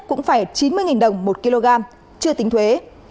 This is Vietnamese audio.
cũng phải chín mươi đồng một kg chưa tính thuế